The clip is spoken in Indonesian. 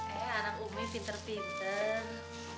eh orang umi pinter pinter